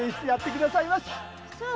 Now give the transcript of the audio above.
そう。